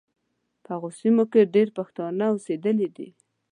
په هغو سیمو کې ډېر پښتانه اوسېدلي دي.